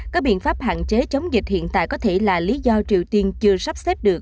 các biện pháp hạn chế chống dịch hiện tại có thể là lý do triều tiên chưa sắp xếp được